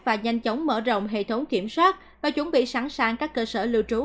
và nhanh chóng mở rộng hệ thống kiểm soát và chuẩn bị sẵn sàng các cơ sở lưu trú